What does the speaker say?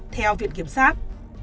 theo viện kiểm sát